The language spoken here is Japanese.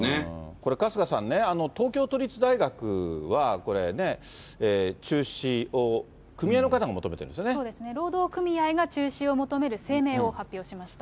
これ、春日さんね、東京都立大学は、中止を、そうですね、労働組合が中止を求める声明を発表しました。